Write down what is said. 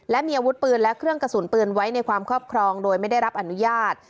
และมีอาวุธปืนและเครื่องกระสุนปืนไว้ในความครอบครองโดยไม่ได้รับอนุญาต